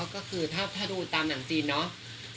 ก็คือถ้าดูตามหนังจีนเนาะ